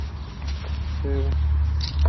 bebo